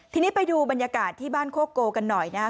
ทีนี้ไปดูบรรยากาศที่บ้านโคโกกันหน่อยนะครับ